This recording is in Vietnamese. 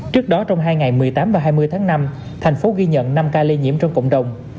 trước đó trong hai ngày một mươi tám và hai mươi tháng năm thành phố ghi nhận năm ca lây nhiễm trong cộng đồng